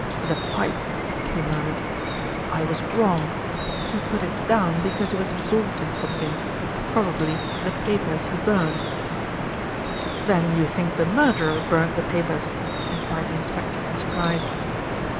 "The pipe," he murmured. "I was wrong. He put it down because he was absorbed in something, probably the papers he burnt." "Then you think the murderer burnt the papers?" enquired the inspector in surprise.